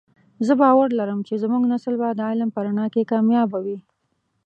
زه باور لرم چې زمونږ نسل به د علم په رڼا کې کامیابه وی